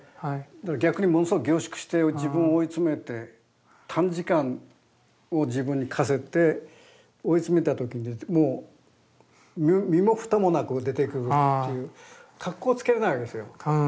逆にものすごい凝縮して自分を追い詰めて短時間を自分に課せて追い詰めた時にもう身も蓋もなく出てくるっていうかっこつけれないわけですよ。